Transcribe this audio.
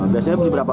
biasanya beli berapa